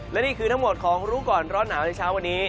และนี่คือทั้งหมดของรู้ก่อนร้อนหนาวในเช้าวันนี้